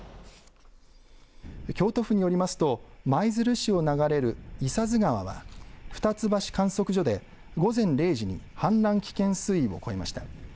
京都府によりますと舞鶴市を流れる伊佐津川は二ツ橋観測所で午前０時に氾濫危険水位を超えました。